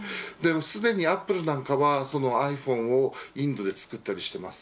すでにアップルなどはｉＰｈｏｎｅをインドで作ったりしています。